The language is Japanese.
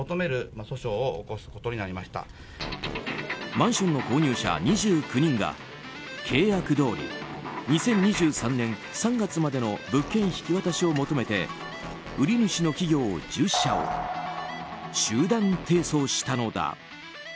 マンションの購入者２９人が契約どおり２０２３年３月までの物件引き渡しを求めて売り主の企業１０社を集団提訴したのだ。